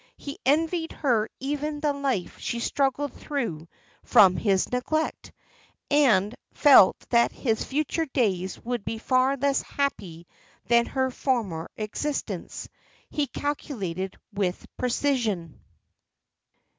He envied her even the life she struggled through from his neglect, and felt that his future days would be far less happy than her former existence. He calculated with precision.